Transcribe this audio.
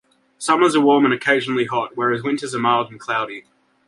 Summers are warm and occasionally hot, whereas winters are mild and cloudy.